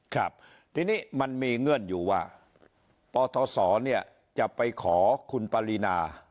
ครับทีนี้มันมีเงื่อนอยู่ว่าปทศเนี่ยจะไปขอคุณปรินา